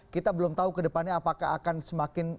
kita belum tahu ke depannya apakah akan semakin